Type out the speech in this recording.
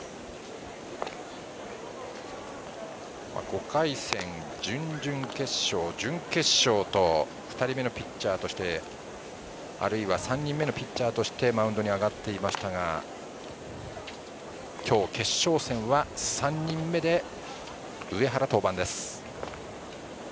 ５回戦、準々決勝、準決勝と２人目のピッチャーとしてあるいは３人目のピッチャーとしてマウンドに上がっていましたが今日、決勝戦は３人目で上原登板です。